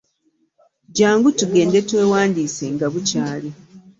Jjangu tugende twewandiise nga bukyali.